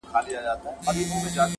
او زما د غرونو غم لړلې کيسه نه ختمېده.!